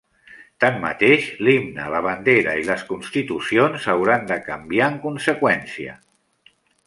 Tanmateix, l'himne, la bandera i les constitucions hauran de canviar en conseqüència.